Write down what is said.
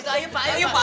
kalau gitu ayo pak